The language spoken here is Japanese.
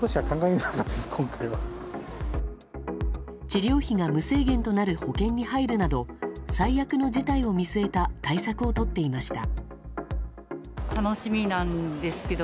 治療費が無制限となる保険に入るなど最悪の事態を見据えた対策をとっていました。